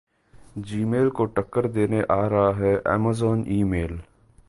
Gmail को टक्कर देने आ रहा है Amazon email